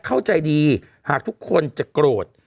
เข้าใจดีหากทุกคนจะโกรธ